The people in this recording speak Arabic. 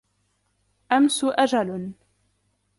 أَمْسُ أَجَلٌ